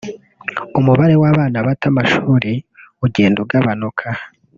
umubare w’abana bata amashuri ugenda ugabanuka